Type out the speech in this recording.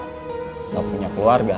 tidak punya keluarga